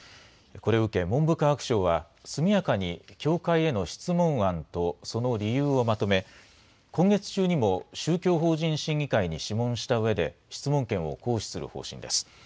これを受け、文部科学省は、速やかに教会への質問案とその理由をまとめ、今月中にも宗教法人審議会に諮問したうえで、質問権を行使する方針です。